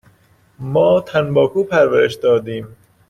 ما تنباکو پرورش دادیم.